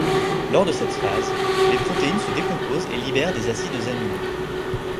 Lors de cette phase, les protéines se décomposent et libèrent des acides aminés.